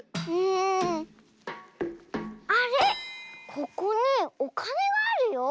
ここにおかねがあるよ。